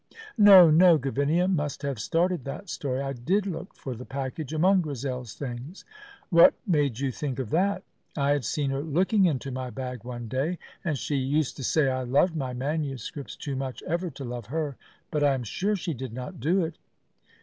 "No, no. Gavinia must have started that story. I did look for the package among Grizel's things." "What made you think of that?" "I had seen her looking into my bag one day. And she used to say I loved my manuscripts too much ever to love her. But I am sure she did not do it."